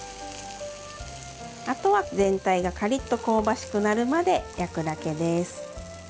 あとは全体がカリッと香ばしくなるまで焼くだけです。